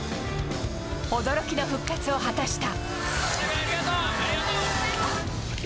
驚きの復活を果たした。